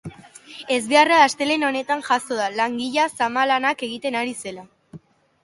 Ezbeharra astelehen honetan jazo da, langilea zamalanak egiten ari zela.